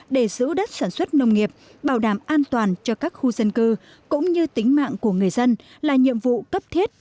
để giữ đất sản xuất nông nghiệp bảo đảm an toàn cho các khu dân cư cũng như tính mạng của người dân là nhiệm vụ cấp thiết